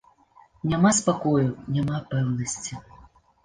Няма спакою, няма пэўнасці.